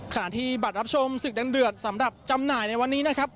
ขณะที่บัตรรับชมศึกดังเดือดสำหรับจำหน่ายในวันนี้นะครับ